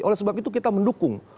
oleh sebab itu kita mendukung